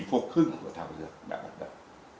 thì phục hưng của thảo lược đã bắt đầu